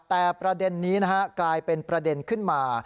แต่ประเด็นนี้นะฮะกลายเป็นประเด็นขึ้นมา